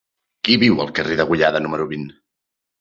Qui viu al carrer de Degollada número vint?